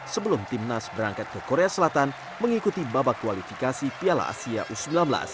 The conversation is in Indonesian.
sebelum timnas berangkat ke korea selatan mengikuti babak kualifikasi piala asia u sembilan belas